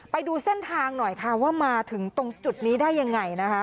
ไปดูเส้นทางหน่อยค่ะว่ามาถึงตรงจุดนี้ได้ยังไงนะคะ